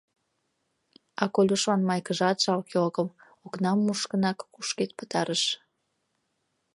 А Колюшлан майкыжат жалке огыл — окнам мушкынак, кушкед пытарыш.